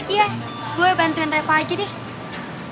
iya gue bantuin reva aja deh